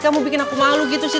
kamu bikin aku malu gitu sih